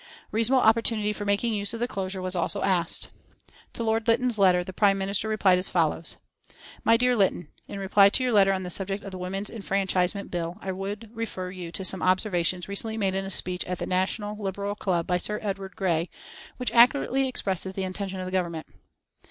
Reasonable opportunity for making use of the closure was also asked. To Lord Lytton's letter the Prime Minister replied as follows: My dear Lytton In reply to your letter on the subject of the Women's Enfranchisement Bill, I would refer you to some observations recently made in a speech at the National Liberal Club by Sir Edward Grey, which accurately expresses the intention of the Government.